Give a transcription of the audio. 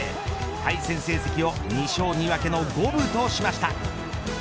対戦成績を２勝２敗の五分としました。